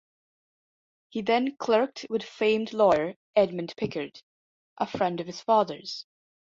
He then clerked with famed lawyer Edmond Picard, a friend of his father's.